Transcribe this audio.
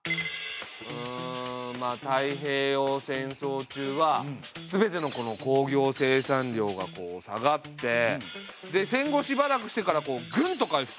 うんまあ太平洋戦争中はすべての工業生産量がこう下がってで戦後しばらくしてからこうグンと回復。